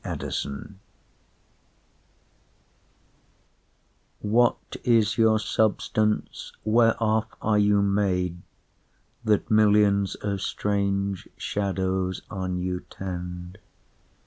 LIII What is your substance, whereof are you made, That millions of strange shadows on you tend?